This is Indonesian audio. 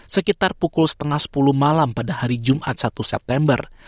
sekitar pukul setengah sepuluh malam pada hari jumat satu september